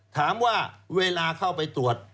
ถามว่าเวลาเข้าไปตรวจ